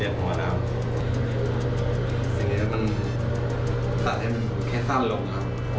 สิ่งนี้มันตัดให้แค่สั้นลงครับ